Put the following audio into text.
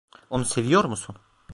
Onu seviyor musun?